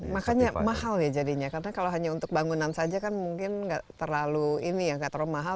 makanya mahal ya jadinya karena kalau hanya untuk bangunan saja kan mungkin tidak terlalu mahal